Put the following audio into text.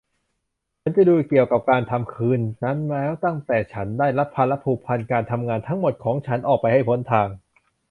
ฉันจะดูเกี่ยวกับการทำคืนนั้นแล้วตั้งแต่ฉันได้รับภาระผูกพันการทำงานทั้งหมดของฉันออกไปให้พ้นทาง